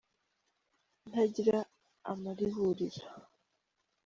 Ntagira amariburira